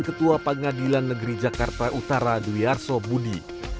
ketua pengadilan negeri jakarta utara dwi arso budi